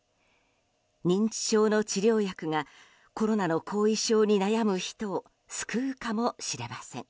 認知症の治療薬がコロナの後遺症に悩む人を救うかもしれません。